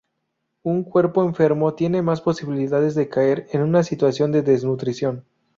Un cuerpo enfermo tiene más posibilidades de caer en una situación de desnutrición.